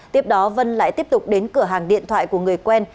tiếp đó vân lại tiếp tục đến cửa hàng điện thoại của người quen